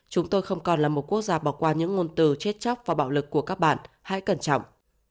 chúng tôi không còn là một quốc gia bỏ qua những ngôn từ chết chóc và bạo lực của các bạn hãy cẩn trọng